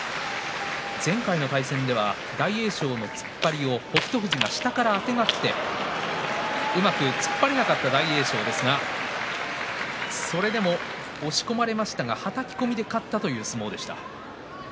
前回の対戦では大栄翔の突っ張りを北勝富士が下からあてがってうまく突っ張れなかった大栄翔ですが、それでも、はたき込みで勝ったという相撲でした。